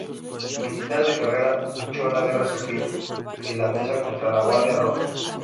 Militar de carrera, luchó en la Guerra Civil Finlandesa contra la Guardia Roja.